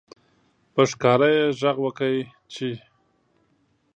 په ښکاره یې غږ وکړ چې